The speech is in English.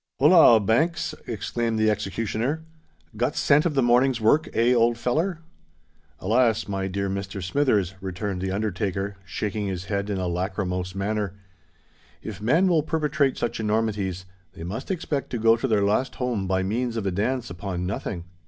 "Holloa, Banks!" exclaimed the executioner. "Got scent of the morning's work—eh, old feller?" "Alas! my dear Mr. Smithers," returned the undertaker, shaking his head in a lachrymose manner, "if men will perpetrate such enormities, they must expect to go to their last home by means of a dance upon nothing."